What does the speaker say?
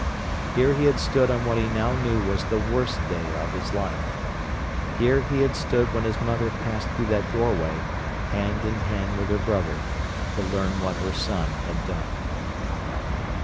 Here he had stood on what he now knew was the worst day of his life; here he had stood when his mother passed through that doorway, hand in hand with her brother, to learn what her son had done.